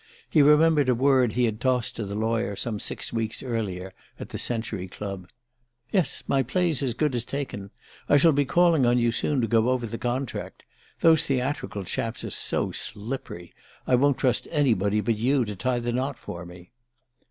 He remembered a word he had tossed to the lawyer some six weeks earlier, at the Century Club. "Yes my play's as good as taken. I shall be calling on you soon to go over the contract. Those theatrical chaps are so slippery I won't trust anybody but you to tie the knot for me!"